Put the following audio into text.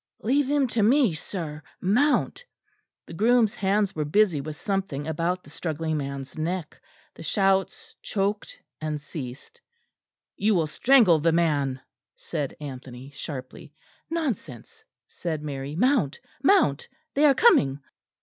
"Leave him to me, sir. Mount." The groom's hands were busy with something about the struggling man's neck: the shouts choked and ceased. "You will strangle the man," said Anthony sharply. "Nonsense," said Mary; "mount, mount. They are coming."